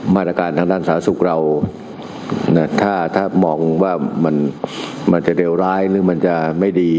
มาตรการทางด้านสาธารณสุขเราถ้ามองว่ามันจะเลวร้ายหรือมันจะไม่ดี